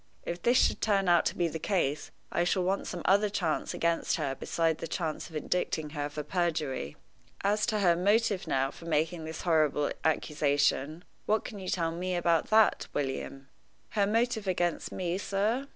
If this should turn out to be the case, I shall want some other chance against her besides the chance of indicting her for perjury. As to her motive now for making this horrible accusation, what can you tell me about that, William?" "Her motive against me, sir?"